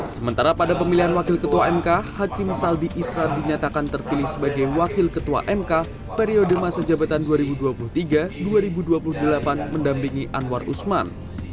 sementara pada pemilihan wakil ketua mk hakim saldi isra dinyatakan terpilih sebagai wakil ketua mk periode masa jabatan dua ribu dua puluh tiga dua ribu dua puluh delapan mendampingi anwar usman